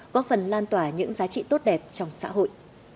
góp phần lan tỏa những giá trị tốt đẹp trong xã hội